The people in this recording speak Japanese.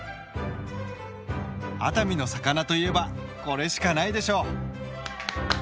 熱海の魚といえばこれしかないでしょう！